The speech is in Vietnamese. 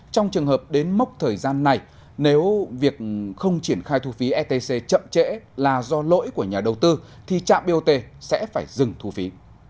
trong trường hợp đến mốc thời gian này nếu việc không triển khai thu phí stc chậm trễ là do lỗi của nhà đầu tư thì trạm bot sẽ phải dừng thu phí